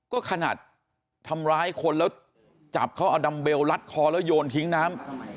ก็ขนาดทำร้ายคนแล้วจับเขาเอาดัมเบลรัดคอแล้วโยนทิ้งน้ำ